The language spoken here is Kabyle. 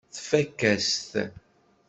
Tfakk-as-t.